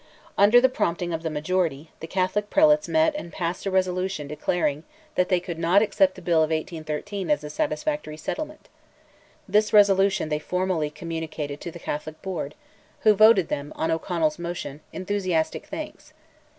Under the prompting of the majority, the Catholic prelates met and passed a resolution declaring that they could not accept the bill of 1813 as a satisfactory settlement. This resolution they formally communicated to the Catholic Board, who voted them, on O'Connell's motion, enthusiastic thanks.